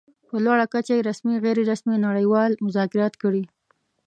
په لوړه کچه يې رسمي، غیر رسمي او نړۍوال مذاکرات کړي.